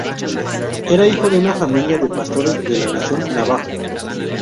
Era hijo de una familia de pastores de la Nación Navajo.